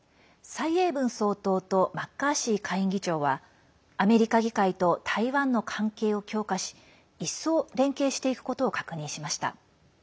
蔡英文総統とマッカーシー下院議長はアメリカ議会と台湾の関係を強化し一層、連携していくことを確認しました。